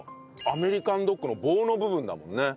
アメリカンドッグの棒の部分だもんね。